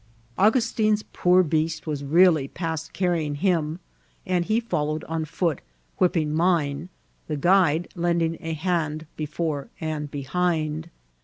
Angus* tin's poor beast was really past carrying him, and he followed on foot, whipping mine, the guide lending a hand before and behind.